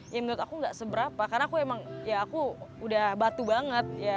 yang menurut aku nggak seberapa karena aku udah batu banget